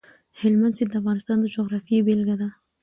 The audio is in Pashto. هلمند سیند د افغانستان د جغرافیې بېلګه ده.